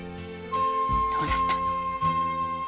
どうなったの？